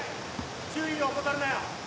注意は怠るなよ。